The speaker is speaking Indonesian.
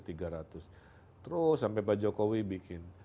terus sampai pak jokowi bikin